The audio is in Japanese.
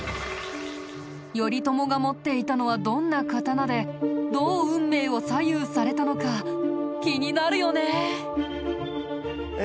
頼朝が持っていたのはどんな刀でどう運命を左右されたのか気になるよね。